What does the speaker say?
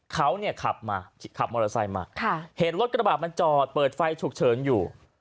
เขาเนี่ยขับมาขับมอเตอร์ไซค์มาเห็นรถกระบาดมันจอดเปิดไฟฉุกเฉินอยู่